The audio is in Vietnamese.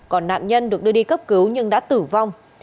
còn nạn nhân được đưa đi cấp cứu nhưng đã tử vong